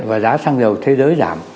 và giá xăng dầu thế giới giảm